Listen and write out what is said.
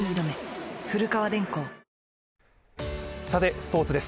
スポーツです。